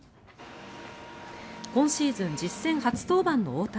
今シーズン実戦初登板の大谷。